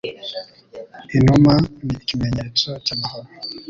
Inuma ni ikimenyetso cyamahoro.